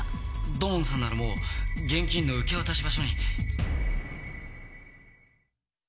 土門さんならもう現金の受け渡し場所に。